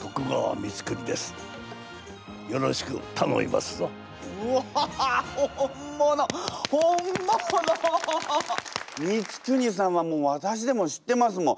光圀さんはわたしでも知ってますもん。